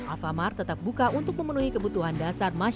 alfamart tetap buka untuk memenuhi kebutuhan dan keinginan